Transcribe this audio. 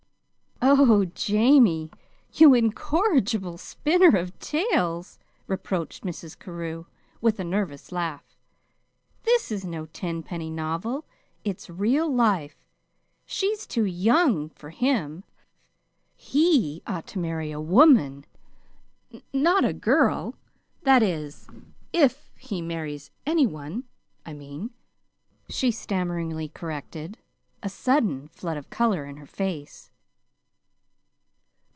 "Oh, Jamie, you incorrigible spinner of tales!" reproached Mrs. Carew, with a nervous laugh. "This is no ten penny novel. It's real life. She's too young for him. He ought to marry a woman, not a girl that is, if he marries any one, I mean," she stammeringly corrected, a sudden flood of color in her face.